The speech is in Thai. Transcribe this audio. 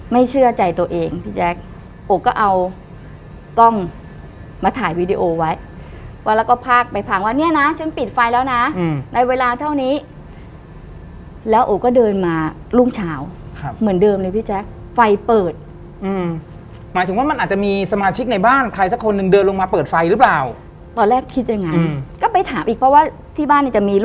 เชื่อใจตัวเองพี่แจ๊คโอก็เอากล้องมาถ่ายวีดีโอไว้แล้วก็พากไปพังว่าเนี่ยนะฉันปิดไฟแล้วนะในเวลาเท่านี้แล้วโอก็เดินมารุ่งเช้าครับเหมือนเดิมเลยพี่แจ๊คไฟเปิดอืมหมายถึงว่ามันอาจจะมีสมาชิกในบ้านใครสักคนหนึ่งเดินลงมาเปิดไฟหรือเปล่าตอนแรกคิดยังไงก็ไปถามอีกเพราะว่าที่บ้านเนี่ยจะมีร